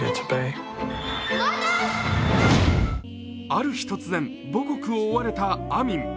ある日突然、母国を追われたアミン。